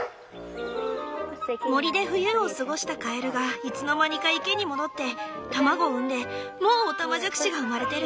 森で冬を過ごしたカエルがいつの間にか池に戻って卵を産んでもうオタマジャクシが産まれてる。